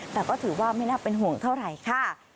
แต่ก็ถือว่าไม่น่าเป็นห่วงเท่าไหร่ค่ะ